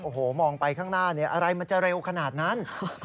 โอ้โหมองไปข้างหน้าอะไรมันจะเร็วขนาดนั้น